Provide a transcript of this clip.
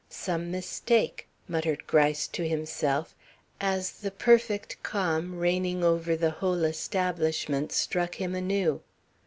"Some mistake," muttered Gryce to himself, as the perfect calm reigning over the whole establishment struck him anew.